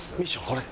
これ。